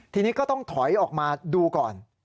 ทีนี้ก็ต้องถอยออกมาดูก่อน